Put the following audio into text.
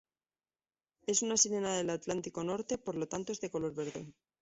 Es una sirena del Atlántico Norte, por lo tanto es de color verde.